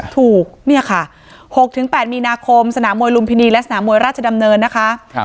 ถูกเนี่ยค่ะ๖๘มีนาคมสนามมวยลุมพินีและสนามมวยราชดำเนินนะคะ